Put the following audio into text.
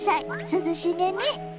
涼しげね。